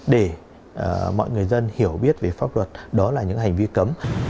để mọi người dân hiểu biết về pháp luật đó là những hành vi cấm